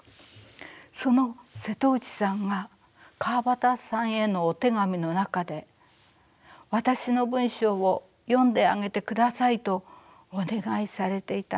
その瀬戸内さんが川端さんへのお手紙の中で私の文章を読んであげてくださいとお願いされていたのです。